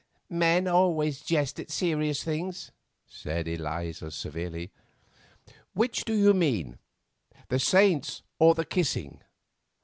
"Men always jest at serious things," said Eliza severely. "Which do you mean—the saints or the kissing?